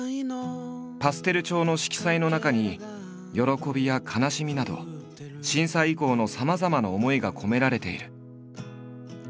パステル調の色彩の中に喜びや悲しみなど震災以降のさまざまな思いが込められている。